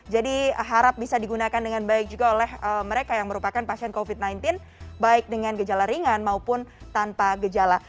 jadi harap bisa digunakan dengan baik juga oleh mereka yang merupakan pasien covid sembilan belas baik dengan gejala ringan maupun tanpa gejala